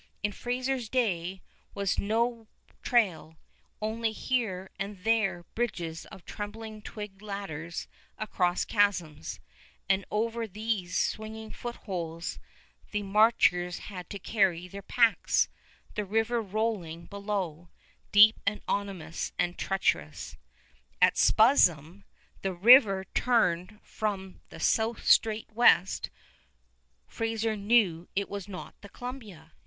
In Fraser's day was no trail, only here and there bridges of trembling twig ladders across chasms; and over these swinging footholds the marchers had to carry their packs, the river rolling below, deep and ominous and treacherous. At Spuzzum the river turned from the south straight west. Fraser knew it was not the Columbia.